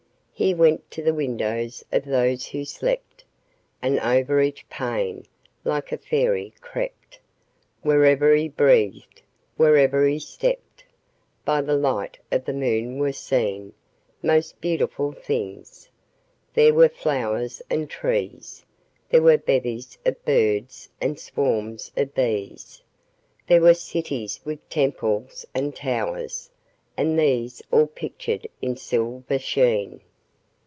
He went to the windows of those who slept, And over each pane, like a fairy, crept; Wherever he breathed, wherever he stept, By the light of the moon were seen Most beautiful things: there were flowers and trees; There were bevies of birds and swarms of bees: There were cities with temples and towers; and these All pictured in silver sheen.